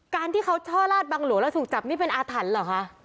การที่เขาช่อลาดบังหลวงแล้วถูกจับนี่เป็นอาถรรพ์เหรอคะ